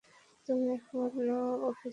তুমি একমত নও, officer Donaghy?